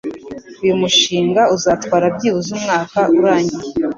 Uyu mushinga uzatwara byibuze umwaka urangiye